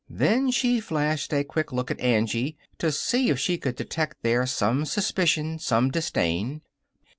Then she flashed a quick look at Angie, to see if she could detect there some suspicion, some disdain.